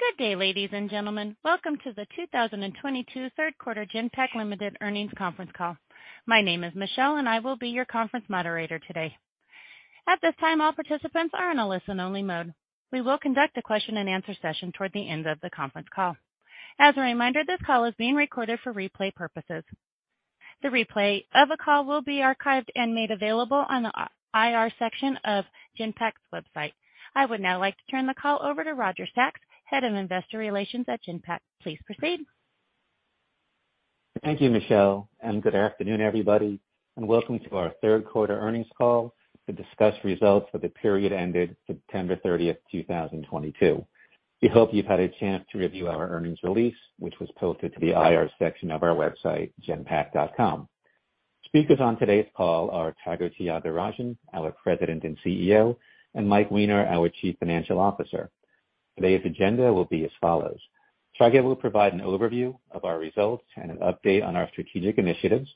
Good day, ladies and gentlemen. Welcome to the Q3 2022 Genpact Limited earnings conference call. My name is Michelle, and I will be your conference moderator today. At this time, all participants are in a listen-only mode. We will conduct a question-and-answer session toward the end of the conference call. As a reminder, this call is being recorded for replay purposes. The replay of the call will be archived and made available on the IR section of Genpact's website. I would now like to turn the call over to Roger Sachs, Head of Investor Relations at Genpact. Please proceed. Thank you, Michelle, and good afternoon, everybody, and welcome to our Q3 earnings call to discuss results for the period ended September 30th, 2022. We hope you've had a chance to review our earnings release, which was posted to the IR section of our website, genpact.com. Speakers on today's call are Tiger Tyagarajan, our President and CEO, and Michael Weiner, our Chief Financial Officer. Today's agenda will be as follows. Tiger will provide an overview of our results and an update on our strategic initiatives.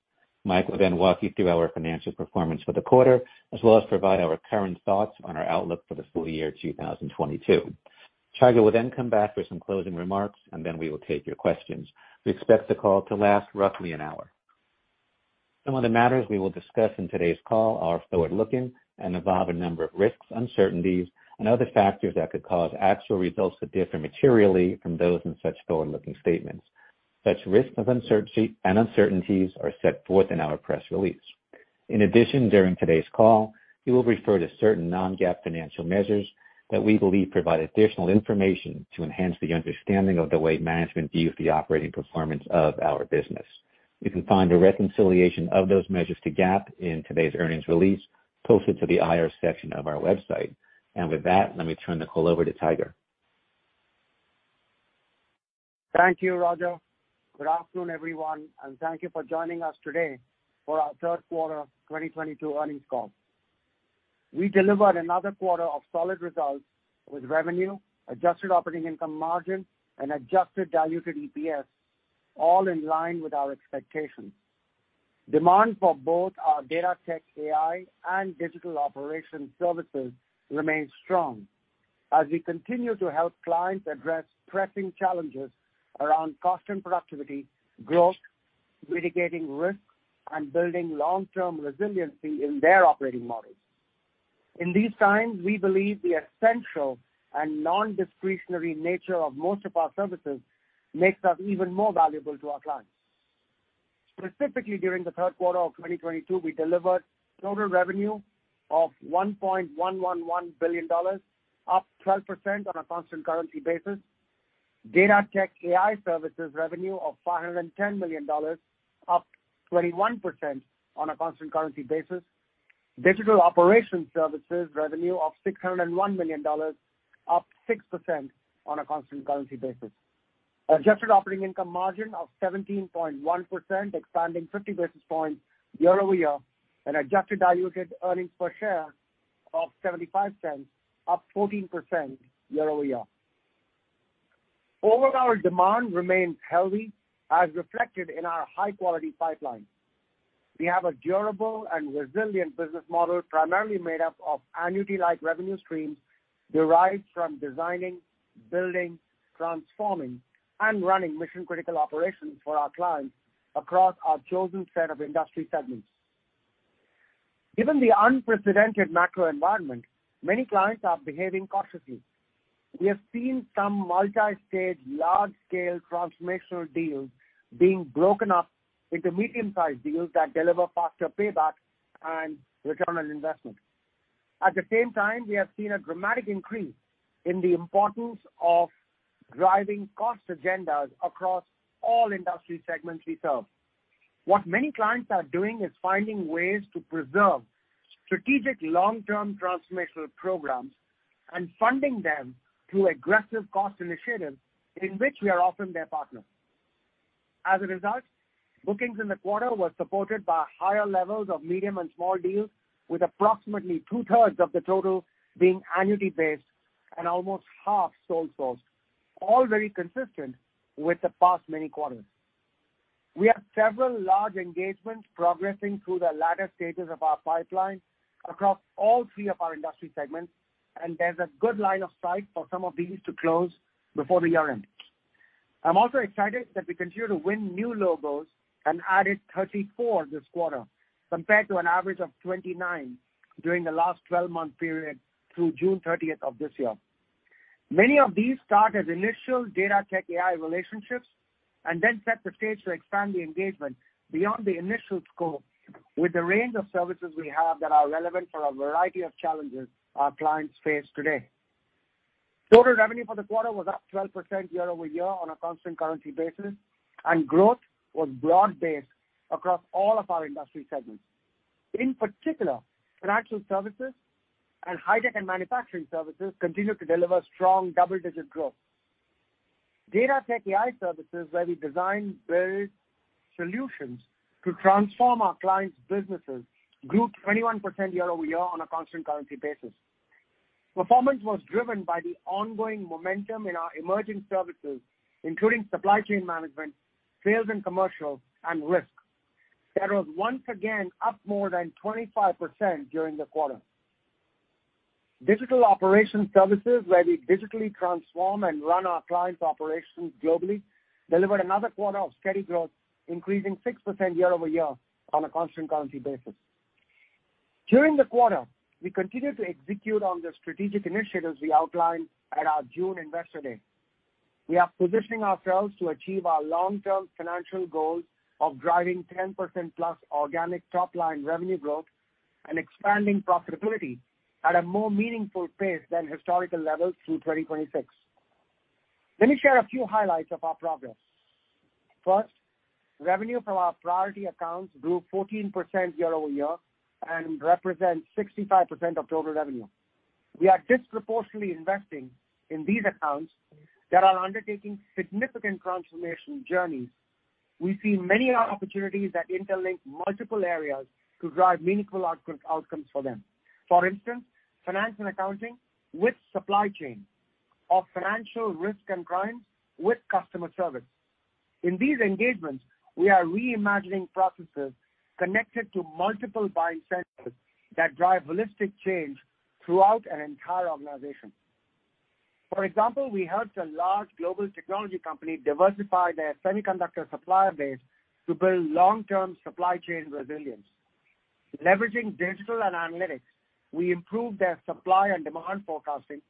Mike will then walk you through our financial performance for the quarter, as well as provide our current thoughts on our outlook for the full year 2022. Tiger will then come back for some closing remarks, and then we will take your questions. We expect the call to last roughly an hour. Some of the matters we will discuss in today's call are forward-looking and involve a number of risks, uncertainties and other factors that could cause actual results to differ materially from those in such forward-looking statements. Such risks and uncertainties are set forth in our press release. In addition, during today's call, we will refer to certain non-GAAP financial measures that we believe provide additional information to enhance the understanding of the way management views the operating performance of our business. You can find a reconciliation of those measures to GAAP in today's earnings release posted to the IR section of our website. With that, let me turn the call over to Tiger. Thank you, Roger. Good afternoon, everyone, and thank you for joining us today for our Q3 2022 earnings call. We delivered another quarter of solid results with revenue, adjusted operating income margin, and Adjusted Diluted EPS, all in line with our expectations. Demand for both our Data-Tech-AI and Digital Operations Services remains strong as we continue to help clients address pressing challenges around cost and productivity, growth, mitigating risk, and building long-term resiliency in their operating models. In these times, we believe the essential and non-discretionary nature of most of our services makes us even more valuable to our clients. Specifically, during the Q3 of 2022, we delivered total revenue of $1.111 billion, up 12% on a constant currency basis. Data-Tech-AI services revenue of $510 million, up 21% on a constant currency basis. Digital Operations Services revenue of $601 million, up 6% on a constant currency basis. Adjusted operating income margin of 17.1%, expanding 50 basis points year-over-year. Adjusted diluted earnings per share of $0.75, up 14% year-over-year. Overall demand remains healthy as reflected in our high-quality pipeline. We have a durable and resilient business model primarily made up of annuity-like revenue streams derived from designing, building, transforming, and running mission-critical operations for our clients across our chosen set of industry segments. Given the unprecedented macro environment, many clients are behaving cautiously. We have seen some multi-stage, large-scale transformational deals being broken up into medium-sized deals that deliver faster payback and return on investment. At the same time, we have seen a dramatic increase in the importance of driving cost agendas across all industry segments we serve. What many clients are doing is finding ways to preserve strategic long-term transformational programs and funding them through aggressive cost initiatives in which we are often their partner. As a result, bookings in the quarter were supported by higher levels of medium and small deals, with approximately two-thirds of the total being annuity-based and almost half sole source, all very consistent with the past many quarters. We have several large engagements progressing through the latter stages of our pipeline across all three of our industry segments, and there's a good line of sight for some of these to close before the year ends. I'm also excited that we continue to win new logos and added 34 this quarter, compared to an average of 29 during the last 12-month period through June 30 of this year. Many of these start as initial Data-Tech-AI relationships and then set the stage to expand the engagement beyond the initial scope with the range of services we have that are relevant for a variety of challenges our clients face today. Total revenue for the quarter was up 12% year-over-year on a constant currency basis, and growth was broad-based across all of our industry segments. In particular, financial services and high-tech and manufacturing services continued to deliver strong double-digit growth. Data-Tech-AI services, where we design and build solutions to transform our clients' businesses, grew 21% year-over-year on a constant currency basis. Performance was driven by the ongoing momentum in our emerging services, including supply chain management, sales and commercial, and risk. That was once again up more than 25% during the quarter. Digital Operation Services, where we digitally transform and run our clients' operations globally, delivered another quarter of steady growth, increasing 6% year-over-year on a constant currency basis. During the quarter, we continued to execute on the strategic initiatives we outlined at our June investor day. We are positioning ourselves to achieve our long-term financial goals of driving 10%+ organic top-line revenue growth and expanding profitability at a more meaningful pace than historical levels through 2026. Let me share a few highlights of our progress. First, revenue from our priority accounts grew 14% year-over-year and represent 65% of total revenue. We are disproportionately investing in these accounts that are undertaking significant transformation journeys. We see many opportunities that interlink multiple areas to drive meaningful outcomes for them. For instance, finance and accounting with supply chain or financial risk and crimes with customer service. In these engagements, we are reimagining processes connected to multiple buying centers that drive holistic change throughout an entire organization. For example, we helped a large global technology company diversify their semiconductor supplier base to build long-term supply chain resilience. Leveraging digital and analytics, we improved their supply and demand forecasting,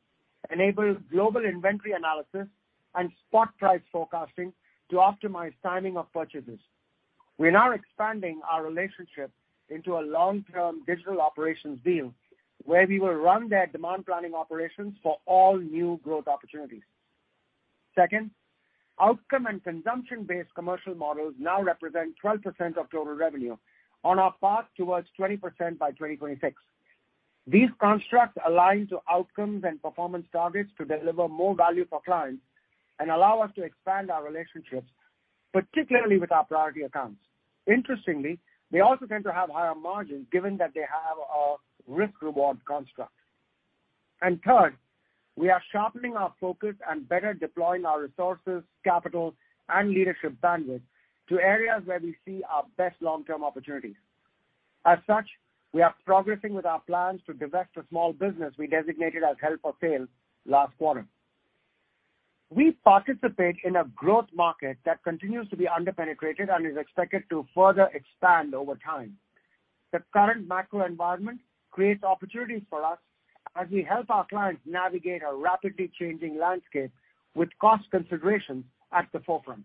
enabled global inventory analysis and spot price forecasting to optimize timing of purchases. We are now expanding our relationship into a long-term digital operations deal where we will run their demand planning operations for all new growth opportunities. Second, outcome and consumption-based commercial models now represent 12% of total revenue on our path towards 20% by 2026. These constructs align to outcomes and performance targets to deliver more value for clients and allow us to expand our relationships, particularly with our priority accounts. Interestingly, they also tend to have higher margins given that they have a risk-reward construct. Third, we are sharpening our focus and better deploying our resources, capital, and leadership bandwidth to areas where we see our best long-term opportunities. As such, we are progressing with our plans to divest a small business we designated as held for sale last quarter. We participate in a growth market that continues to be under-penetrated and is expected to further expand over time. The current macro environment creates opportunities for us as we help our clients navigate a rapidly changing landscape with cost considerations at the forefront.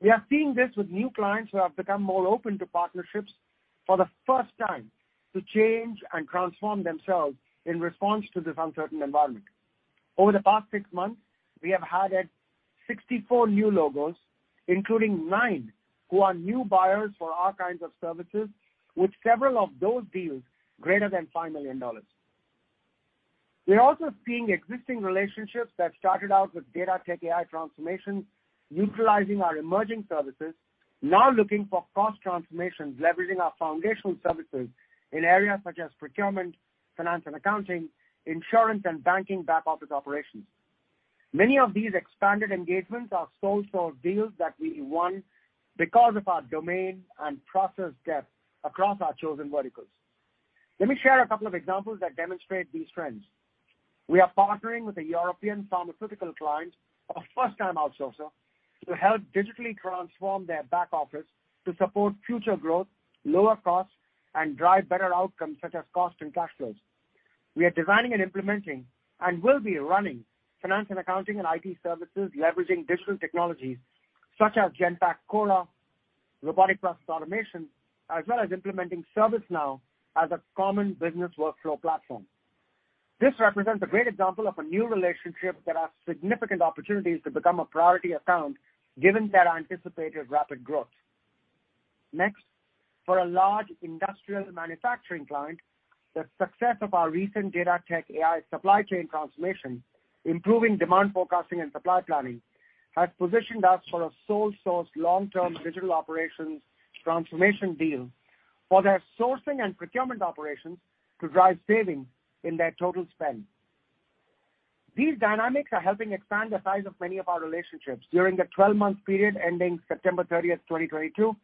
We are seeing this with new clients who have become more open to partnerships for the first time to change and transform themselves in response to this uncertain environment. Over the past six months, we have added 64 new logos, including nine who are new buyers for our kinds of services, with several of those deals greater than $5 million. We're also seeing existing relationships that started out with Data-Tech-AI transformations utilizing our emerging services, now looking for cost transformations, leveraging our foundational services in areas such as procurement, finance and accounting, insurance and banking back-office operations. Many of these expanded engagements are sole source deals that we won because of our domain and process depth across our chosen verticals. Let me share a couple of examples that demonstrate these trends. We are partnering with a European pharmaceutical client, a first-time outsourcer, to help digitally transform their back office to support future growth, lower costs, and drive better outcomes such as costs and cash flows. We are designing and implementing and will be running finance and accounting and IT services leveraging digital technologies such as Genpact Cora, robotic process automation, as well as implementing ServiceNow as a common business workflow platform. This represents a great example of a new relationship that has significant opportunities to become a priority account given their anticipated rapid growth. Next, for a large industrial manufacturing client, the success of our recent Data-Tech-AI supply chain transformation, improving demand forecasting and supply planning, has positioned us for a sole source long-term digital operations transformation deal for their sourcing and procurement operations to drive savings in their total spend. These dynamics are helping expand the size of many of our relationships. During the twelve-month period ending September 30th, 2022,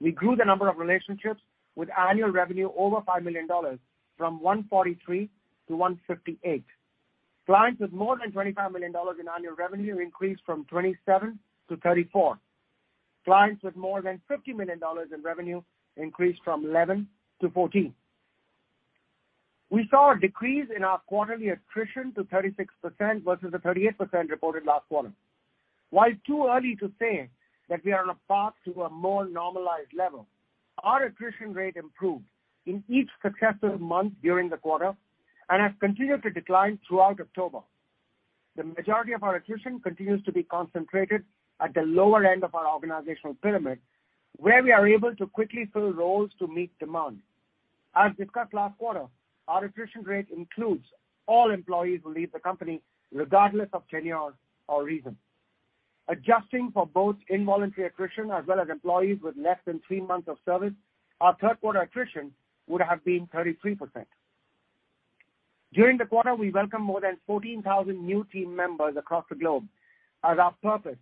we grew the number of relationships with annual revenue over $5 million from 143 to 158. Clients with more than $25 million in annual revenue increased from 27 to 34. Clients with more than $50 million in revenue increased from 11 to 14. We saw a decrease in our quarterly attrition to 36% versus the 38% reported last quarter. While it's too early to say that we are on a path to a more normalized level, our attrition rate improved in each successive month during the quarter and has continued to decline throughout October. The majority of our attrition continues to be concentrated at the lower end of our organizational pyramid, where we are able to quickly fill roles to meet demand. As discussed last quarter, our attrition rate includes all employees who leave the company regardless of tenure or reason. Adjusting for both involuntary attrition as well as employees with less than three months of service, our Q3 attrition would have been 33%. During the quarter, we welcomed more than 14,000 new team members across the globe as our purpose,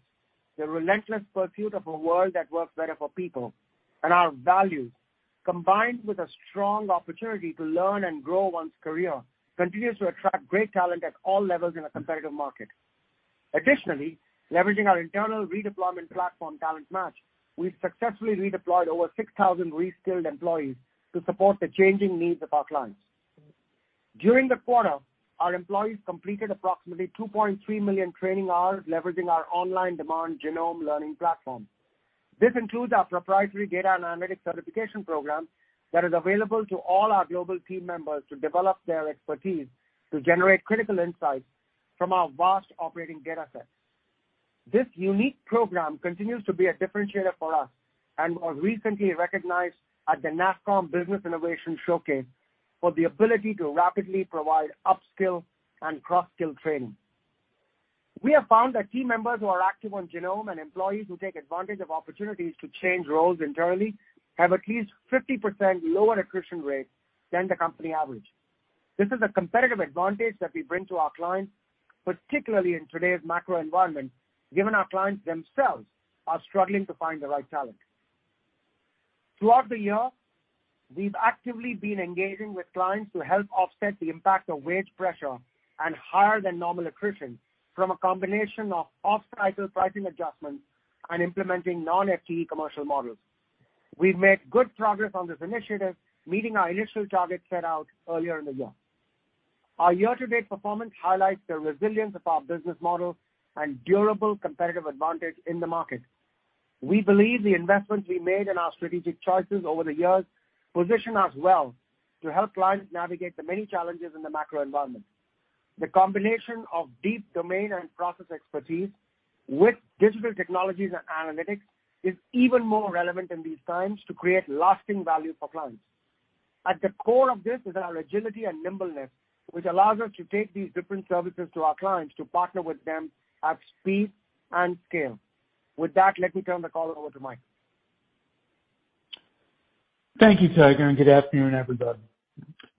the relentless pursuit of a world that works better for people, and our values, combined with a strong opportunity to learn and grow one's career, continues to attract great talent at all levels in a competitive market. Additionally, leveraging our internal redeployment platform, Talent Match, we've successfully redeployed over 6,000 reskilled employees to support the changing needs of our clients. During the quarter, our employees completed approximately 2.3 million training hours leveraging our on-demand Genome learning platform. This includes our proprietary data analytics certification program that is available to all our global team members to develop their expertise to generate critical insights from our vast operating data sets. This unique program continues to be a differentiator for us and was recently recognized at the NASSCOM Business Innovation Showcase for the ability to rapidly provide up-skill and cross-skill training. We have found that team members who are active on Genome and employees who take advantage of opportunities to change roles internally have at least 50% lower attrition rate than the company average. This is a competitive advantage that we bring to our clients, particularly in today's macro environment, given our clients themselves are struggling to find the right talent. Throughout the year, we've actively been engaging with clients to help offset the impact of wage pressure and higher than normal attrition from a combination of off-cycle pricing adjustments and implementing non-FTE commercial models. We've made good progress on this initiative, meeting our initial targets set out earlier in the year. Our year-to-date performance highlights the resilience of our business model and durable competitive advantage in the market. We believe the investments we made in our strategic choices over the years position us well to help clients navigate the many challenges in the macro environment. The combination of deep domain and process expertise with digital technologies and analytics is even more relevant in these times to create lasting value for clients. At the core of this is our agility and nimbleness, which allows us to take these different services to our clients to partner with them at speed and scale. With that, let me turn the call over to Mike. Thank you, Tiger, and good afternoon, everybody.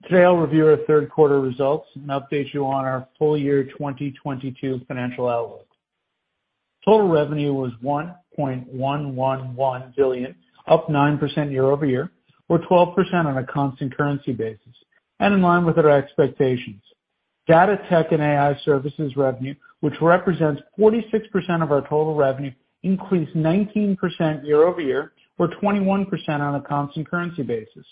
Today, I'll review our Q3 results and update you on our full year 2022 financial outlook. Total revenue was $1.111 billion, up 9% year-over-year, or 12% on a constant currency basis, and in line with our expectations. Data tech and AI services revenue, which represents 46% of our total revenue, increased 19% year-over-year, or 21% on a constant currency basis,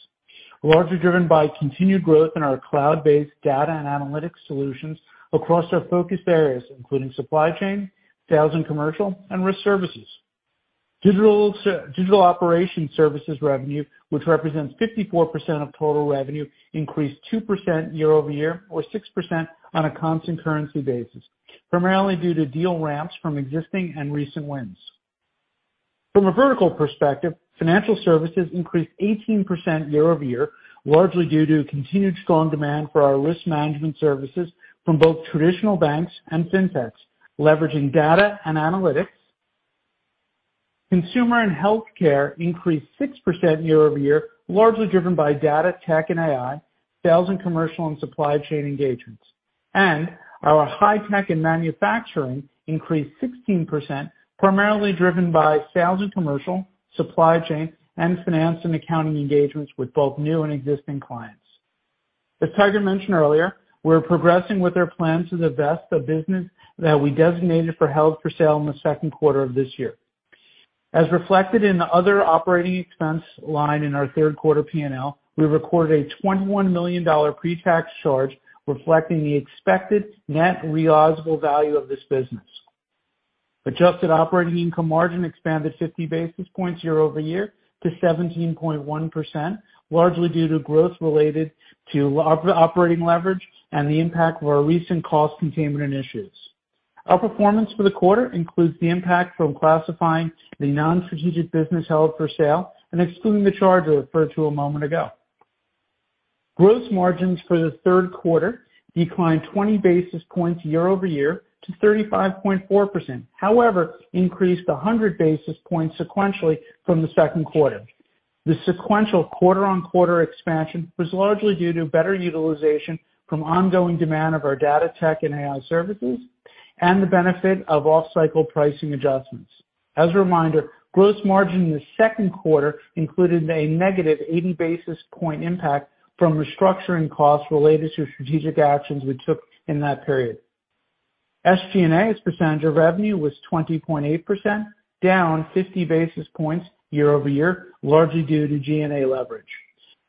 largely driven by continued growth in our cloud-based data and analytics solutions across our focus areas, including supply chain, sales and commercial, and risk services. Digital Operation Services revenue, which represents 54% of total revenue, increased 2% year-over-year, or 6% on a constant currency basis, primarily due to deal ramps from existing and recent wins. From a vertical perspective, financial services increased 18% year-over-year, largely due to continued strong demand for our risk management services from both traditional banks and fintechs, leveraging data and analytics. Consumer and healthcare increased 6% year-over-year, largely driven by data, tech, and AI, sales and commercial, and supply chain engagements. Our high-tech and manufacturing increased 16%, primarily driven by sales and commercial, supply chain, and finance and accounting engagements with both new and existing clients. As Tiger mentioned earlier, we're progressing with our plan to divest the business that we designated for held for sale in the Q2 of this year. As reflected in the other operating expense line in our Q3 P&L, we recorded a $21 million pre-tax charge reflecting the expected net realizable value of this business. Adjusted operating income margin expanded 50 basis points year-over-year to 17.1%, largely due to growth related to operating leverage and the impact of our recent cost containment initiatives. Our performance for the quarter includes the impact from classifying the non-strategic business held for sale and excluding the charge I referred to a moment ago. Gross margins for the Q3 declined 20 basis points year-over-year to 35.4%, however, increased 100 basis points sequentially from the Q2. The sequential quarter-on-quarter expansion was largely due to better utilization from ongoing demand of our data tech and AI services and the benefit of off-cycle pricing adjustments. As a reminder, gross margin in the Q2 included a negative 80 basis point impact from restructuring costs related to strategic actions we took in that period. SG&A as a percentage of revenue was 20.8%, down 50 basis points year-over-year, largely due to G&A leverage.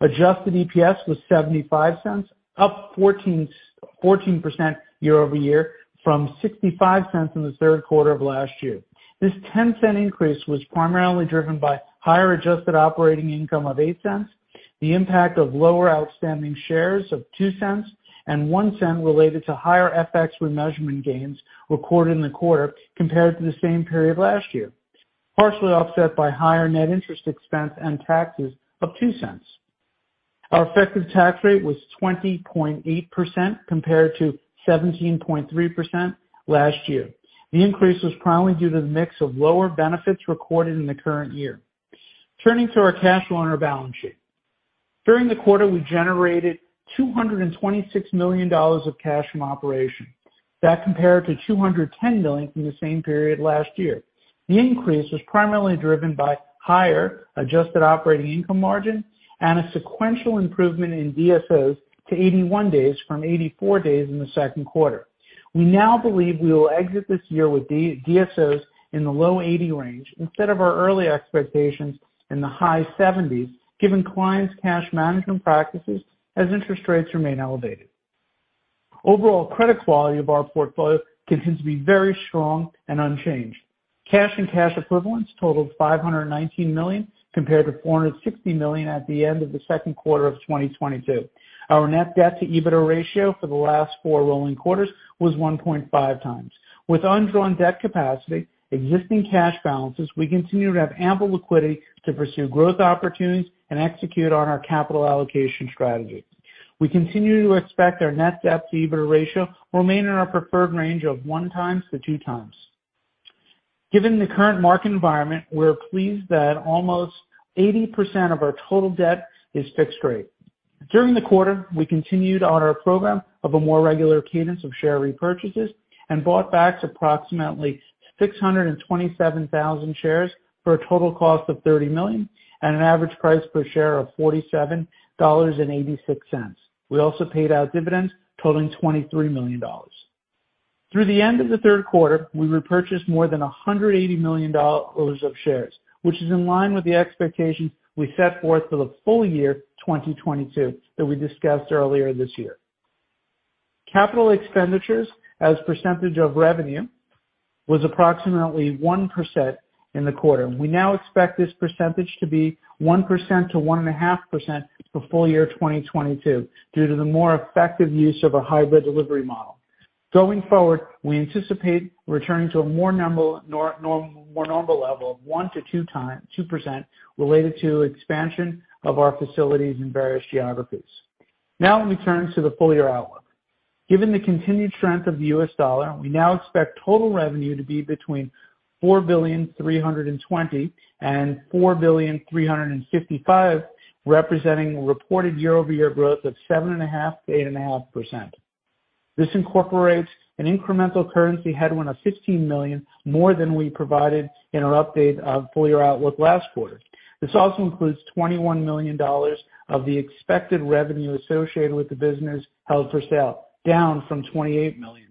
Adjusted EPS was $0.75, up 14% year-over-year from $0.65 in the Q3 of last year. This $0.10 increase was primarily driven by higher adjusted operating income of $0.08, the impact of lower outstanding shares of $0.02, and $0.01 related to higher FX remeasurement gains recorded in the quarter compared to the same period last year, partially offset by higher net interest expense and taxes of $0.02. Our effective tax rate was 20.8% compared to 17.3% last year. The increase was primarily due to the mix of lower benefits recorded in the current year. Turning to our cash flow on our balance sheet. During the quarter, we generated $226 million of cash from operations. That compared to $210 million from the same period last year. The increase was primarily driven by higher adjusted operating income margin and a sequential improvement in DSOs to 81 days from 84 days in the Q2. We now believe we will exit this year with DSOs in the low 80 range instead of our early expectations in the high 70s, given clients' cash management practices as interest rates remain elevated. Overall credit quality of our portfolio continues to be very strong and unchanged. Cash and cash equivalents totaled $519 million, compared to $460 million at the end of the Q2 of 2022. Our net debt to EBITDA ratio for the last four rolling quarters was 1.5 times. With undrawn debt capacity, existing cash balances, we continue to have ample liquidity to pursue growth opportunities and execute on our capital allocation strategy. We continue to expect our net debt to EBITDA ratio remain in our preferred range of 1x-2x. Given the current market environment, we're pleased that almost 80% of our total debt is fixed rate. During the quarter, we continued on our program of a more regular cadence of share repurchases and bought back approximately 627,000 shares for a total cost of $30 million and an average price per share of $47.86. We also paid out dividends totaling $23 million. Through the end of the Q3, we repurchased more than $180 million of shares, which is in line with the expectations we set forth for the full year 2022 that we discussed earlier this year. Capital expenditures as a percentage of revenue was approximately 1% in the quarter. We now expect this percentage to be 1%-1.5% for full year 2022 due to the more effective use of a hybrid delivery model. Going forward, we anticipate returning to a more normal level of 1%-2% related to expansion of our facilities in various geographies. Now let me turn to the full-year outlook. Given the continued strength of the US dollar, we now expect total revenue to be $4.32 billion-$4.355 billion, representing a reported year-over-year growth of 7.5%-8.5%. This incorporates an incremental currency headwind of $15 million, more than we provided in our update of full year outlook last quarter. This also includes $21 million of the expected revenue associated with the business held for sale, down from $28 million.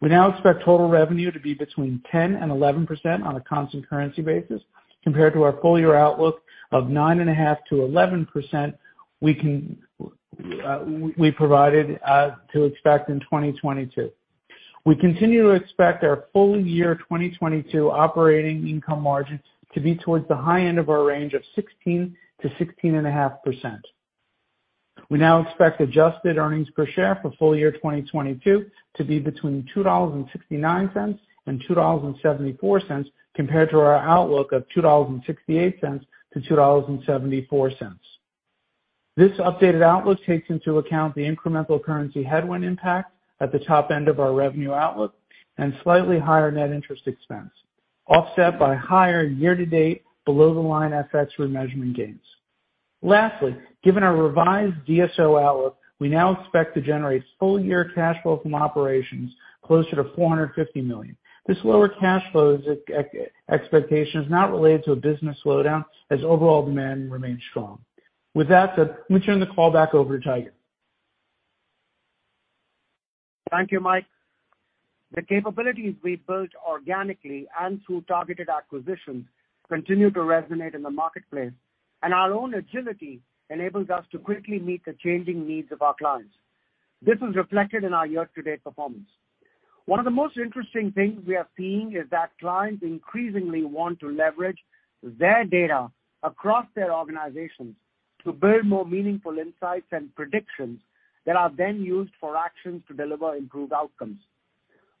We now expect total revenue to be 10%-11% on a constant currency basis compared to our full year outlook of 9.5%-11% we provided in 2022. We continue to expect our full-year 2022 operating income margins to be towards the high end of our range of 16%-16.5%. We now expect adjusted earnings per share for full-year 2022 to be between $2.69 and $2.74 compared to our outlook of $2.68-$2.74. This updated outlook takes into account the incremental currency headwind impact at the top end of our revenue outlook and slightly higher net interest expense, offset by higher year-to-date below-the-line FX remeasurement gains. Lastly, given our revised DSO outlook, we now expect to generate full-year cash flow from operations closer to $450 million. This lower cash flow expectation is not related to a business slowdown as overall demand remains strong. With that said, let me turn the call back over to Tiger. Thank you, Mike. The capabilities we built organically and through targeted acquisitions continue to resonate in the marketplace, and our own agility enables us to quickly meet the changing needs of our clients. This is reflected in our year-to-date performance. One of the most interesting things we are seeing is that clients increasingly want to leverage their data across their organizations to build more meaningful insights and predictions that are then used for actions to deliver improved outcomes.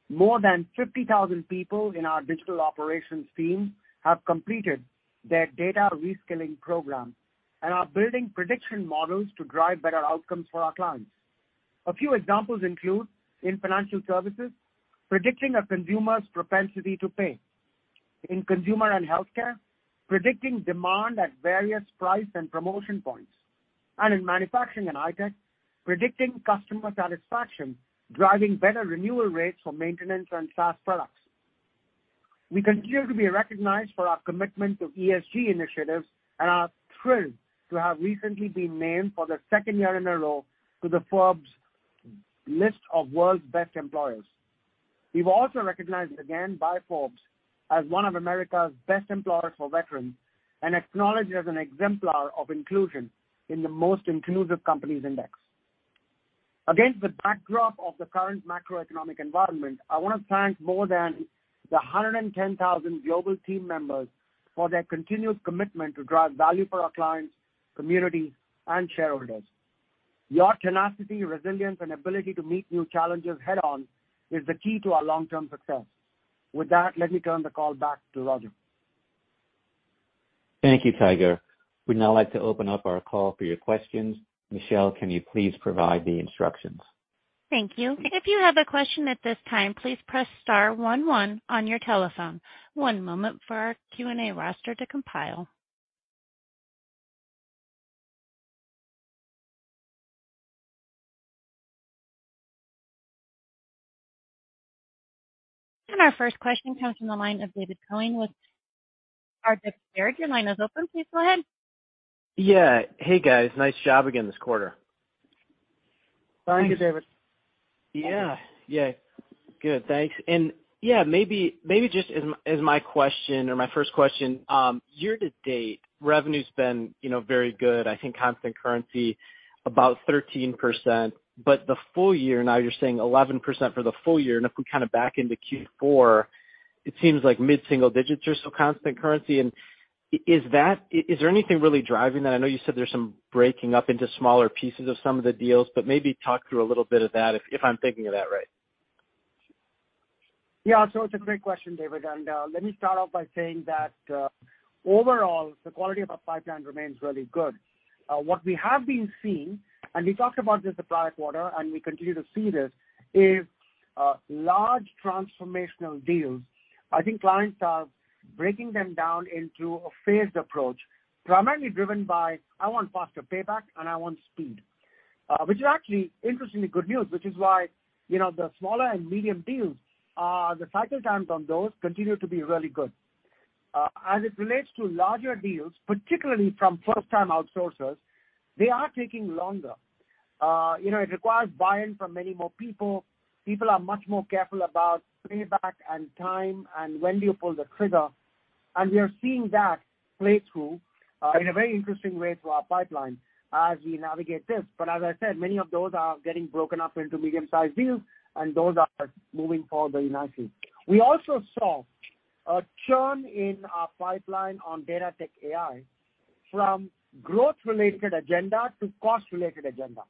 More than 50,000 people in our digital operations team have completed their data reskilling program and are building prediction models to drive better outcomes for our clients. A few examples include, in financial services, predicting a consumer's propensity to pay. In consumer and healthcare, predicting demand at various price and promotion points. In manufacturing and high-tech, predicting customer satisfaction, driving better renewal rates for maintenance and SaaS products. We continue to be recognized for our commitment to ESG initiatives and are thrilled to have recently been named for the second year in a row to the Forbes Global List of World’s Best Employers. We're also recognized again by Forbes as one of America's best employers for veterans and acknowledged as an exemplar of inclusion in the Most Inclusive Companies Index. Against the backdrop of the current macroeconomic environment, I wanna thank more than 110,000 global team members for their continuous commitment to drive value for our clients, community, and shareholders. Your tenacity, resilience, and ability to meet new challenges head on is the key to our long-term success. With that, let me turn the call back to Roger. Thank you, Tiger. We'd now like to open up our call for your questions. Michelle, can you please provide the instructions? Thank you. If you have a question at this time, please press star one one on your telephone. One moment for our Q&A roster to compile. Our first question comes from the line of David Koning with Baird. Your line is open. Please go ahead. Yeah. Hey, guys. Nice job again this quarter. Thank you, David. Yeah. Good, thanks. Yeah, maybe just ask my first question, year to date, revenue's been, you know, very good. I think constant currency about 13%. But the full year now you're saying 11% for the full year. If we kinda back into Q4, it seems like mid-single digits or so constant currency. Is there anything really driving that? I know you said there's some breaking up into smaller pieces of some of the deals, but maybe talk through a little bit of that if I'm thinking of that right. It's a great question, David, and let me start off by saying that overall, the quality of our pipeline remains really good. What we have been seeing, and we talked about this the prior quarter and we continue to see this, is large transformational deals. I think clients are breaking them down into a phased approach, primarily driven by, "I want faster payback, and I want speed," which is actually interestingly good news, which is why, you know, the smaller and medium deals, the cycle times on those continue to be really good. As it relates to larger deals, particularly from first-time outsourcers, they are taking longer. You know, it requires buy-in from many more people. People are much more careful about payback and time and when do you pull the trigger. We are seeing that play through in a very interesting way through our pipeline as we navigate this. As I said, many of those are getting broken up into medium-sized deals, and those are moving forward very nicely. We also saw a churn in our pipeline on Data-Tech-AI from growth-related agenda to cost-related agenda.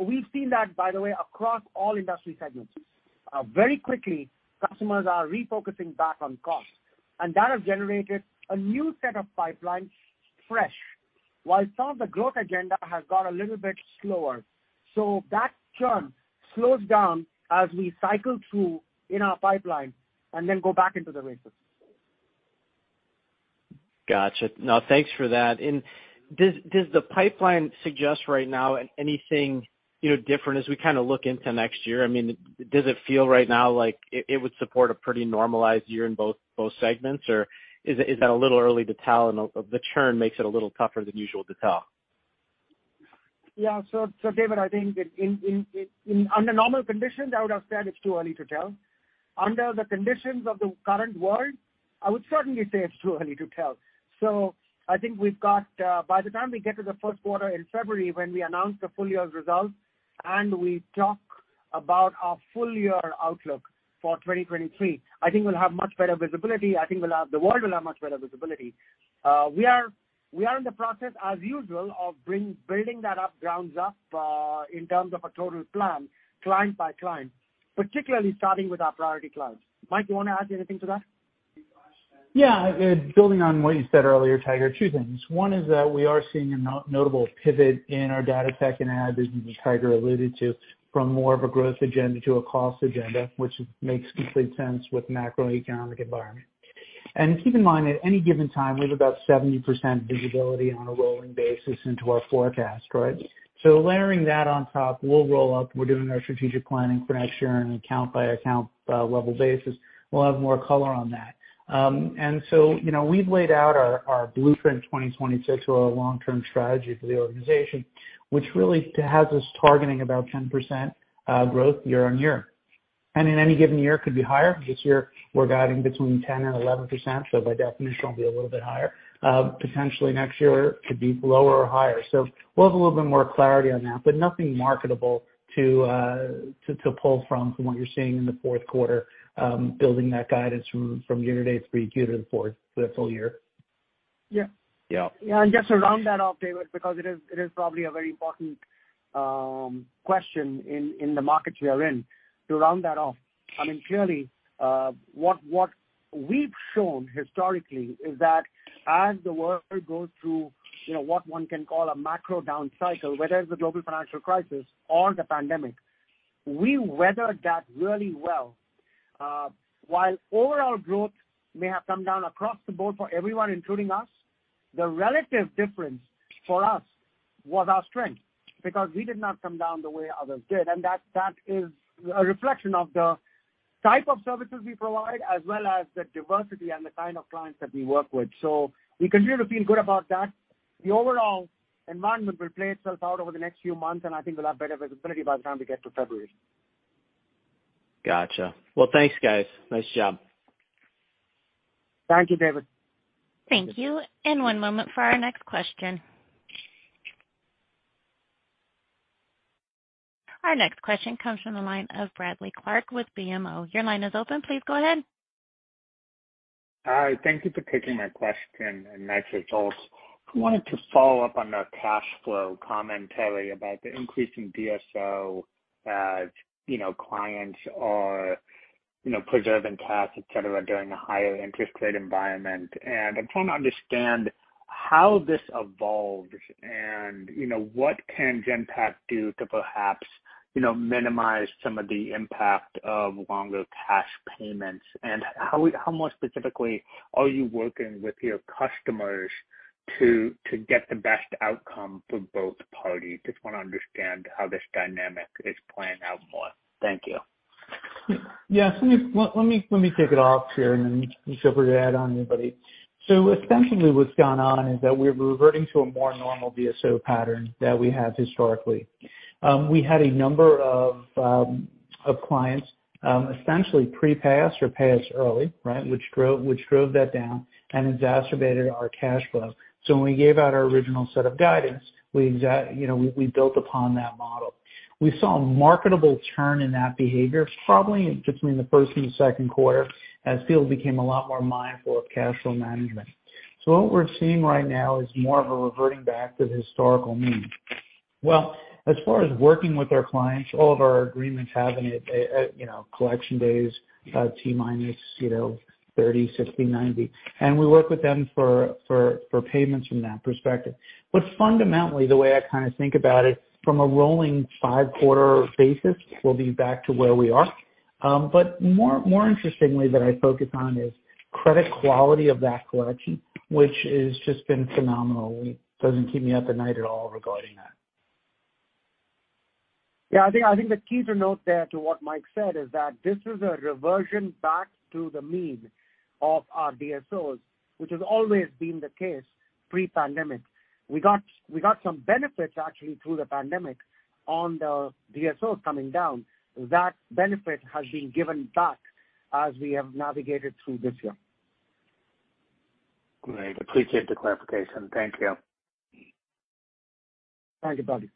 We've seen that, by the way, across all industry segments. Very quickly, customers are refocusing back on cost, and that has generated a new set of pipelines fresh, while some of the growth agenda has got a little bit slower. That churn slows down as we cycle through in our pipeline and then go back into the races. Gotcha. No, thanks for that. Does the pipeline suggest right now anything, you know, different as we kinda look into next year? I mean, does it feel right now like it would support a pretty normalized year in both segments? Or is it a little early to tell and the churn makes it a little tougher than usual to tell? Yeah. David, I think under normal conditions, I would have said it's too early to tell. Under the conditions of the current world, I would certainly say it's too early to tell. I think we've got. By the time we get to the Q1 in February, when we announce the full year's results and we talk about our full year outlook for 2023, I think we'll have much better visibility. I think the world will have much better visibility. We are in the process as usual of building that up from the ground up in terms of a total plan, client by client, particularly starting with our priority clients. Mike, you wanna add anything to that? Yeah. Building on what you said earlier, Tiger, two things. One is that we are seeing a notable pivot in our Data-Tech-AI business Tiger alluded to from more of a growth agenda to a cost agenda, which makes complete sense with macroeconomic environment. Keep in mind, at any given time, we have about 70% visibility on a rolling basis into our forecast, right? Layering that on top, we'll roll up. We're doing our strategic planning for next year on an account-by-account level basis. We'll have more color on that. You know, we've laid out our Blueprint 2026 or our long-term strategy for the organization, which really has us targeting about 10% growth year-on-year. In any given year, it could be higher. This year we're guiding between 10% and 11%, so by definition, it'll be a little bit higher. Potentially next year could be lower or higher. We'll have a little bit more clarity on that, but nothing marketable to pull from what you're seeing in the Q4, building that guidance from year-to-date through Q to the fourth for the full year. Yeah. Yeah. Yeah. Just to round that off, David, because it is probably a very important question in the markets we are in. To round that off, I mean, clearly, what we've shown historically is that as the world goes through, you know, what one can call a macro down cycle, whether it's the global financial crisis or the pandemic, we weathered that really well. While overall growth may have come down across the board for everyone, including us, the relative difference for us was our strength, because we did not come down the way others did. That is a reflection of the type of services we provide, as well as the diversity and the kind of clients that we work with. We continue to feel good about that. The overall environment will play itself out over the next few months, and I think we'll have better visibility by the time we get to February. Gotcha. Well, thanks, guys. Nice job. Thank you, David. Thank you. One moment for our next question. Our next question comes from the line of Keith Bachman with BMO. Your line is open. Please go ahead. Hi. Thank you for taking my question, and nice results. I wanted to follow up on the cash flow commentary about the increase in DSO as, you know, clients are, you know, preserving cash, et cetera, during a higher interest rate environment. I'm trying to understand how this evolves and, you know, what can Genpact do to perhaps, you know, minimize some of the impact of longer cash payments? How more specifically are you working with your customers to get the best outcome for both parties? Just wanna understand how this dynamic is playing out more. Thank you. Yeah. Let me take it from here, and then you feel free to add on, anybody. Essentially what's gone on is that we're reverting to a more normal DSO pattern that we had historically. We had a number of clients essentially prepay us or pay us early, right? Which drove that down and exacerbated our cash flow. When we gave out our original set of guidance, you know, we built upon that model. We saw a marked turn in that behavior, probably between the first and Q2, as clients became a lot more mindful of cash flow management. What we're seeing right now is more of a reverting back to the historical mean. Well, as far as working with our clients, all of our agreements have in it, you know, collection days. [Uh, T-minus zero] 30 60 90. We work with them for payments from that perspective. Fundamentally, the way I kinda think about it from a rolling 5-quarter basis, we'll be back to where we are. More interestingly that I focus on is credit quality of that collection, which has just been phenomenal. It doesn't keep me up at night at all regarding that. Yeah. I think the key to note there to what Mike said is that this is a reversion back to the mean of our DSOs, which has always been the case pre-pandemic. We got some benefits actually through the pandemic on the DSOs coming down. That benefit has been given back as we have navigated through this year. Great. Appreciate the clarification. Thank you. Thank you, Bachman.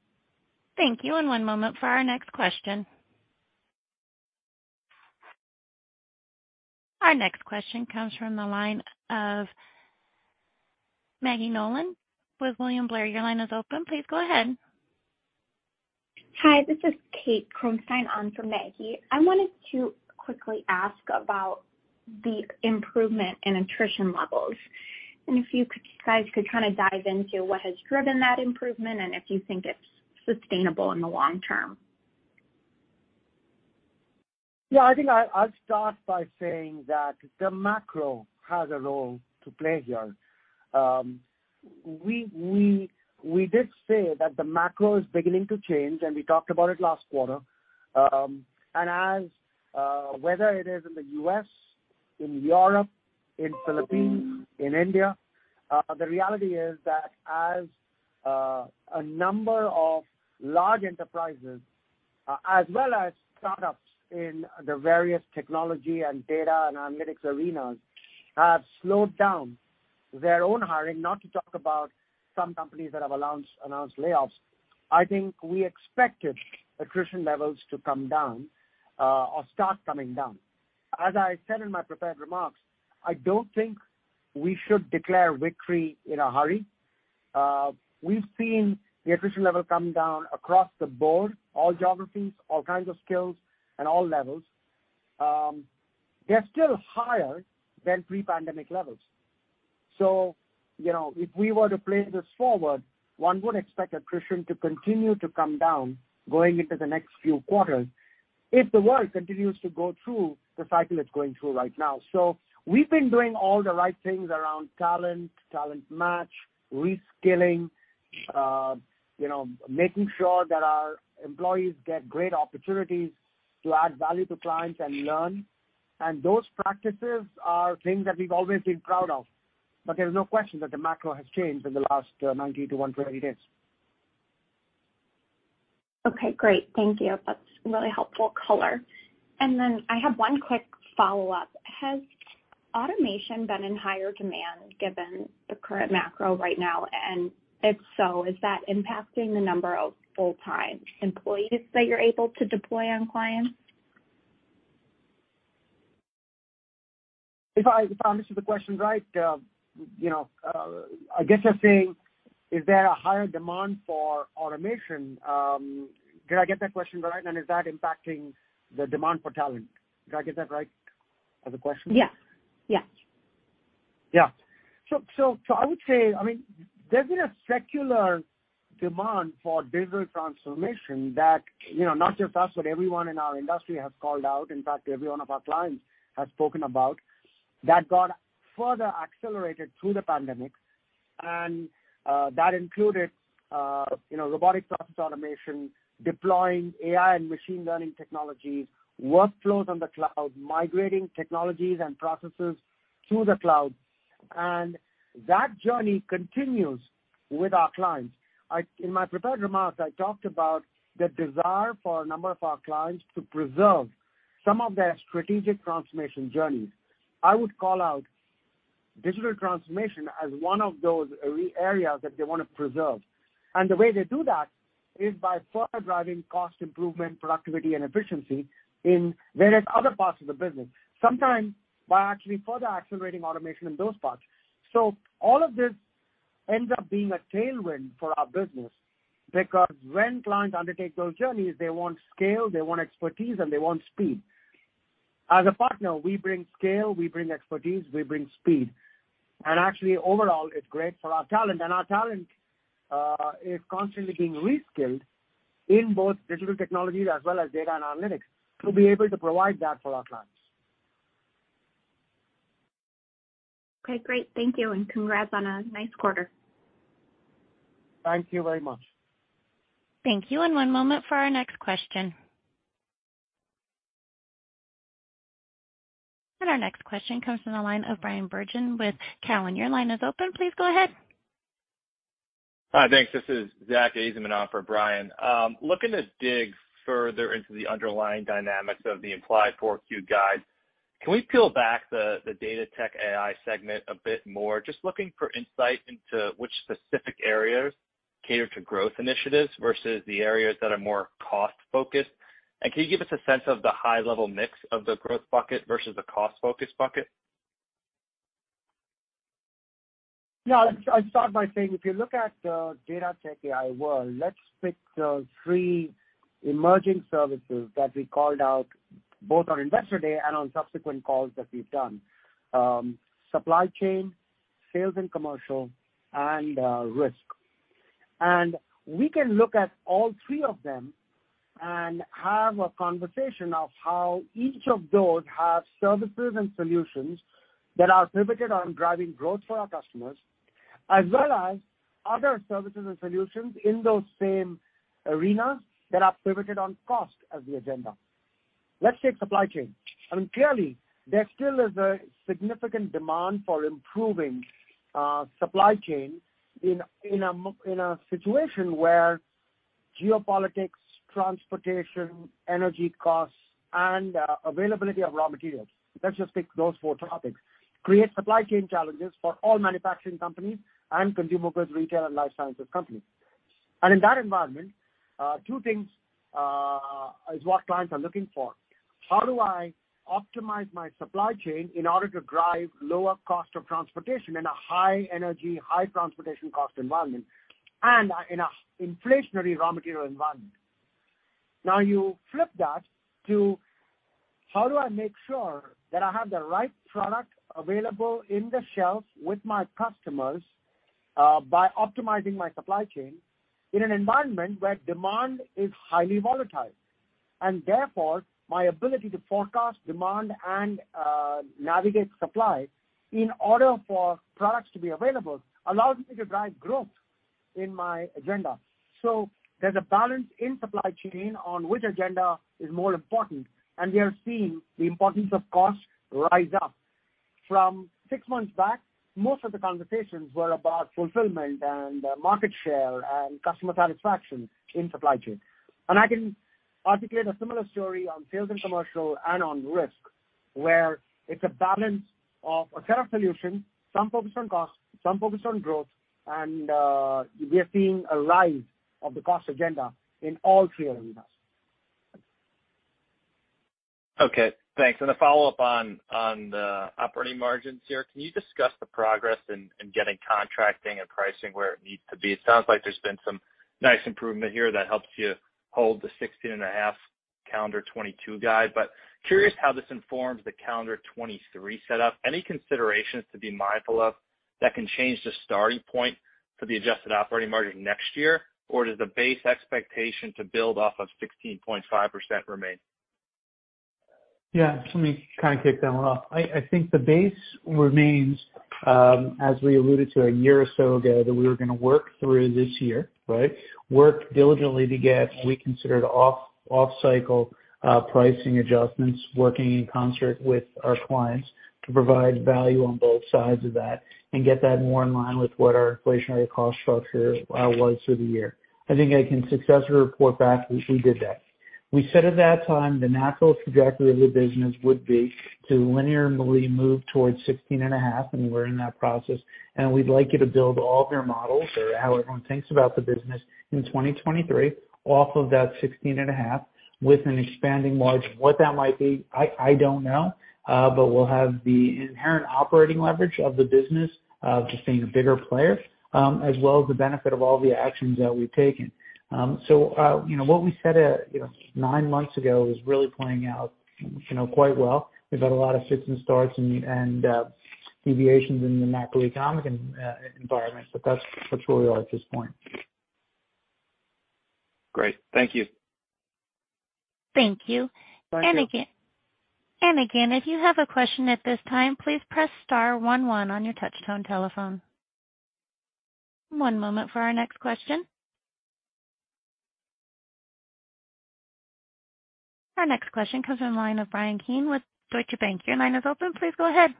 Thank you. One moment for our next question. Our next question comes from the line of Maggie Nolan with William Blair. Your line is open. Please go ahead. Hi, this is Kate Kronstein on for Maggie. I wanted to quickly ask about the improvement in attrition levels, and if you guys could kinda dive into what has driven that improvement and if you think it's sustainable in the long term. Yeah. I think I'll start by saying that the macro has a role to play here. We did say that the macro is beginning to change, and we talked about it last quarter. Whether it is in the U.S., in Europe, in the Philippines, in India, the reality is that a number of large enterprises, as well as startups in the various technology and data and analytics arenas have slowed down their own hiring, not to talk about some companies that have announced layoffs, I think we expected attrition levels to come down, or start coming down. As I said in my prepared remarks, I don't think we should declare victory in a hurry. We've seen the attrition level come down across the board, all geographies, all kinds of skills and all levels. They're still higher than pre-pandemic levels. You know, if we were to play this forward, one would expect attrition to continue to come down going into the next few quarters if the world continues to go through the cycle it's going through right now. We've been doing all the right things around talent, Talent Match, reskilling, you know, making sure that our employees get great opportunities to add value to clients and learn. Those practices are things that we've always been proud of, but there's no question that the macro has changed in the last 90 days-120 days. Okay. Great. Thank you. That's really helpful color. I have one quick follow-up. Has automation been in higher demand given the current macro right now? If so, is that impacting the number of full-time employees that you're able to deploy on clients? If I understood the question right, you know, I guess you're saying, is there a higher demand for automation? Did I get that question right? Is that impacting the demand for talent? Did I get that right as a question? Yeah. Yeah. I would say, I mean, there's been a secular demand for digital transformation that, you know, not just us, but everyone in our industry has called out. In fact, every one of our clients has spoken about that got further accelerated through the pandemic. That included, you know, robotic process automation, deploying AI and machine learning technologies, workflows on the cloud, migrating technologies and processes to the cloud. That journey continues with our clients. In my prepared remarks, I talked about the desire for a number of our clients to preserve some of their strategic transformation journeys. I would call out digital transformation as one of those areas that they wanna preserve. The way they do that is by further driving cost improvement, productivity and efficiency in various other parts of the business, sometimes by actually further accelerating automation in those parts. All of this ends up being a tailwind for our business because when clients undertake those journeys, they want scale, they want expertise, and they want speed. As a partner, we bring scale, we bring expertise, we bring speed. Actually, overall, it's great for our talent. Our talent is constantly being reskilled in both digital technologies as well as data and analytics to be able to provide that for our clients. Okay, great. Thank you, and congrats on a nice quarter. Thank you very much. Thank you. One moment for our next question. Our next question comes from the line of Bryan Bergin with Cowen. Your line is open. Please go ahead. Hi. Thanks. This is Zack Ajzenman on for Brian. Looking to dig further into the underlying dynamics of the implied 4Q guide, can we peel back the Data-Tech-AI segment a bit more? Just looking for insight into which specific areas cater to growth initiatives versus the areas that are more cost-focused. Can you give us a sense of the high-level mix of the growth bucket versus the cost-focused bucket? No. I'll start by saying, if you look at the Data-Tech-AI world, let's pick the three emerging services that we called out both on Investor Day and on subsequent calls that we've done, supply chain, sales and commercial, and risk. We can look at all three of them and have a conversation of how each of those have services and solutions that are pivoted on driving growth for our customers, as well as other services and solutions in those same arenas that are pivoted on cost as the agenda. Let's take supply chain. I mean, clearly, there still is a significant demand for improving supply chain in a situation where geopolitics, transportation, energy costs, and availability of raw materials. Let's just pick those four topics. Create supply chain challenges for all manufacturing companies and consumer goods, retail and life sciences companies. In that environment, two things is what clients are looking for. How do I optimize my supply chain in order to drive lower cost of transportation in a high energy, high transportation cost environment and in a inflationary raw material environment? Now, you flip that to how do I make sure that I have the right product available in the shelves with my customers, by optimizing my supply chain in an environment where demand is highly volatile. Therefore, my ability to forecast demand and, navigate supply in order for products to be available allows me to drive growth in my agenda. There's a balance in supply chain on which agenda is more important, and we are seeing the importance of cost rise up. From six months back, most of the conversations were about fulfillment and market share and customer satisfaction in supply chain. I can articulate a similar story on sales and commercial and on risk, where it's a balance of a set of solutions, some focused on cost, some focused on growth, and we are seeing a rise of the cost agenda in all three arenas. Okay, thanks. A follow-up on the operating margins here. Can you discuss the progress in getting contracting and pricing where it needs to be? It sounds like there's been some nice improvement here that helps you hold the 16.5 calendar 2022 guide. Curious how this informs the calendar 2023 set up. Any considerations to be mindful of that can change the starting point for the adjusted operating margin next year? Or does the base expectation to build off of 16.5% remain? Yeah. Let me kinda kick that one off. I think the base remains as we alluded to a year or so ago, that we were gonna work through this year, right? Work diligently to get what we consider off-cycle pricing adjustments, working in concert with our clients to provide value on both sides of that and get that more in line with what our inflationary cost structure was through the year. I think I can successfully report back we did that. We said at that time, the natural trajectory of the business would be to linearly move towards 16.5, and we're in that process. We'd like you to build all of your models or how everyone thinks about the business in 2023 off of that 16.5 with an expanding margin. What that might be, I don't know, but we'll have the inherent operating leverage of the business of just being a bigger player, as well as the benefit of all the actions that we've taken. You know, what we said, you know, nine months ago is really playing out, you know, quite well. We've had a lot of fits and starts and deviations in the macroeconomic environment, but that's where we are at this point. Great. Thank you. Thank you. Thank you. If you have a question at this time, please press star one one on your touch tone telephone. One moment for our next question. Our next question comes from the line of Bryan Keane with Deutsche Bank. Your line is open. Please go ahead.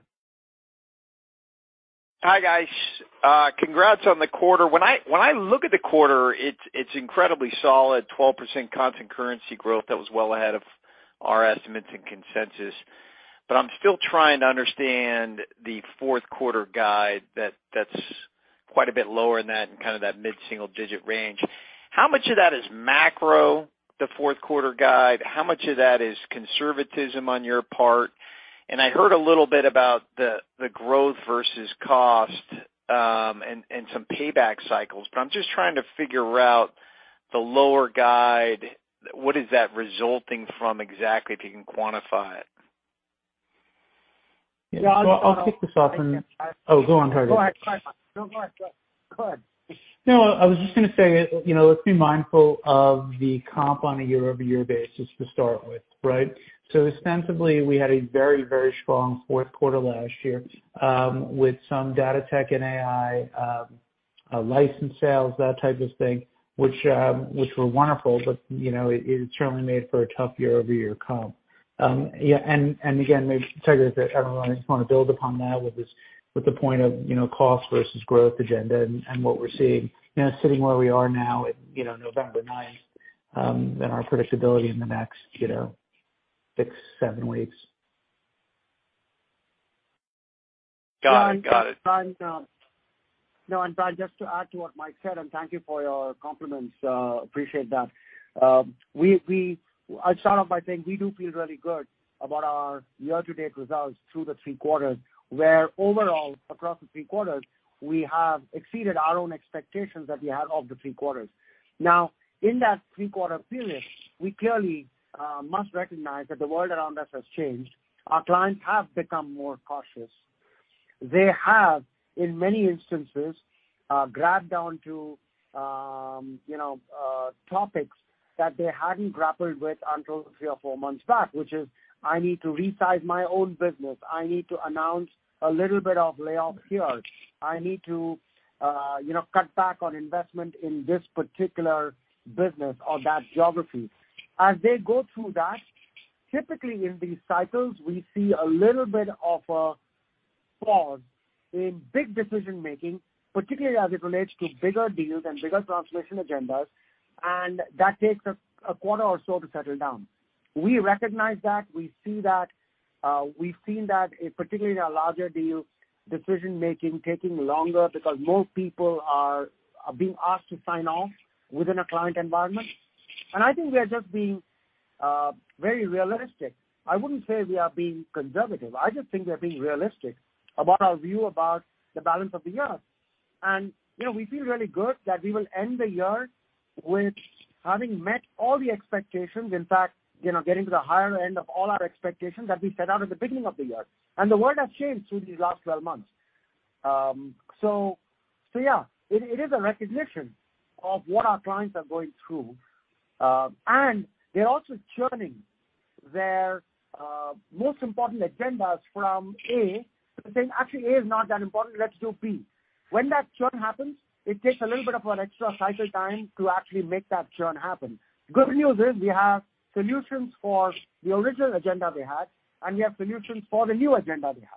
Hi, guys. Congrats on the quarter. When I look at the quarter, it's incredibly solid, 12% constant currency growth. That was well ahead of our estimates and consensus. I'm still trying to understand the Q4 guide that's quite a bit lower than that in kind of that mid-single digit range. How much of that is macro, the Q4 guide? How much of that is conservatism on your part? I heard a little bit about the growth versus cost and some payback cycles, but I'm just trying to figure out the lower guide. What is that resulting from exactly, if you can quantify it? Yeah. I'll kick this off. I can- Oh, go on. Sorry. Go ahead. No, go ahead. Go ahead. No, I was just gonna say, you know, let's be mindful of the comp on a year-over-year basis to start with, right? Ostensibly, we had a very, very strong Q4 last year with some data tech and AI license sales, that type of thing, which were wonderful, but, you know, it certainly made for a tough year-over-year comp. Yeah, and again, maybe Tiger has everyone just wanna build upon that with this, with the point of, you know, cost versus growth agenda and what we're seeing, you know, sitting where we are now at, you know, November ninth and our predictability in the next, you know, six, seven weeks. Got it. Got it. Brian, just to add to what Mike said, and thank you for your compliments, appreciate that. I'll start off by saying we do feel really good about our year-to-date results through the Q3, where overall, across the Q3, we have exceeded our own expectations that we had of the Q3. Now, in that three-quarter period, we clearly must recognize that the world around us has changed. Our clients have become more cautious. They have, in many instances, grappled down to, you know, topics that they hadn't grappled with until three or four months back, which is I need to resize my own business. I need to announce a little bit of layoffs here. I need to, you know, cut back on investment in this particular business or that geography. As they go through that, typically in these cycles, we see a little bit of a pause in big decision-making, particularly as it relates to bigger deals and bigger transformation agendas, and that takes a quarter or so to settle down. We recognize that. We see that. We've seen that, particularly in our larger deals, decision-making taking longer because more people are being asked to sign off within a client environment. I think we are just being very realistic. I wouldn't say we are being conservative. I just think we are being realistic about our view about the balance of the year. You know, we feel really good that we will end the year with having met all the expectations. In fact, you know, getting to the higher end of all our expectations that we set out at the beginning of the year. The world has changed through these last 12 months. Yeah, it is a recognition of what our clients are going through. They're also churning their most important agendas from A to saying, "Actually, A is not that important. Let's do B." When that churn happens, it takes a little bit of an extra cycle time to actually make that churn happen. The good news is we have solutions for the original agenda we had, and we have solutions for the new agenda we have.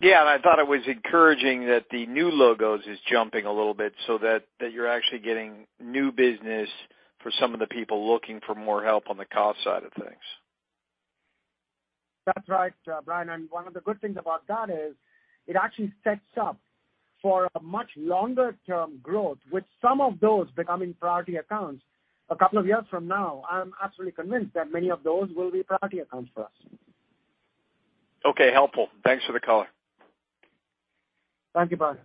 I thought it was encouraging that the new logos is jumping a little bit so that you're actually getting new business for some of the people looking for more help on the cost side of things. That's right, Bryan, and one of the good things about that is it actually sets up for a much longer term growth, with some of those becoming priority accounts a couple of years from now. I'm absolutely convinced that many of those will be priority accounts for us. Okay. Helpful. Thanks for the color. Thank you, Brian.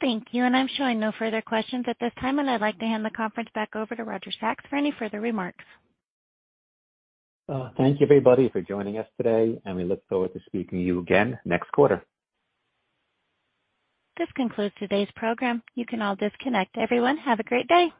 Thank you. I'm showing no further questions at this time, and I'd like to hand the conference back over to Roger Sachs for any further remarks. Thank you everybody for joining us today, and we look forward to speaking to you again next quarter. This concludes today's program. You can all disconnect. Everyone, have a great day.